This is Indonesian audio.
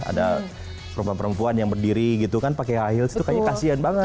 ada perempuan perempuan yang berdiri gitu kan pakai high heels itu kayaknya kasian banget